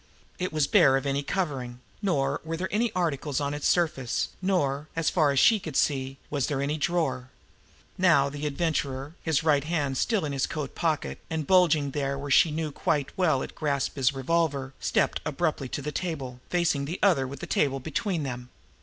It was bare of any covering, nor were there any articles on its surface, nor, as far as she could see, was there any drawer. And now the Adventurer, his right hand still in his coat pocket, and bulging there where she knew quite well it grasped his revolver, stepped abruptly to the table, facing the other with the table between them.